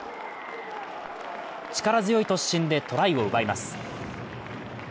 力強い突進でトライを奪います。